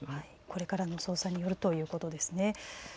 これからの捜査によるということですね。